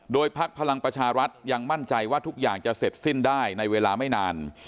พักพลังประชารัฐยังมั่นใจว่าทุกอย่างจะเสร็จสิ้นได้ในเวลาไม่นาน